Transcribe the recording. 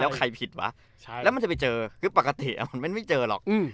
แล้วใครผิดวะแล้วมันจะไปเจอคือปกติมันไม่เจอหรอก